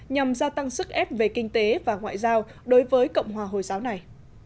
nhằm gia tăng sức ép về kinh tế và ngoại giao đối với cộng hòa hồi giáo này